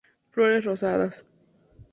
Flores rosadas.